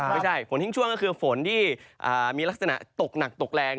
ไม่ใช่ฝนทิ้งช่วงก็คือฝนที่มีลักษณะตกหนักตกแรง